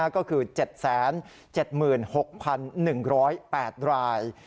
ก็คือ๗๗๖๑๐๘ราย